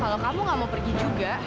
kalau kamu gak mau pergi juga